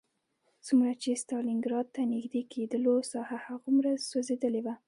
څومره چې ستالینګراډ ته نږدې کېدلو ساحه هغومره سوځېدلې وه